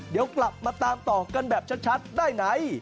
เดี๋ยวกลับมาตามต่อกันแบบชัดได้ไหน